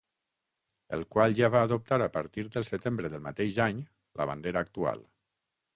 El qual ja va adoptar a partir del setembre del mateix any la bandera actual.